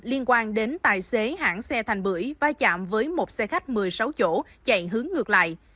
liên quan đến tài xế hãng xe thành bưởi vai chạm với một xe khách một mươi sáu chỗ chạy hướng ngược lại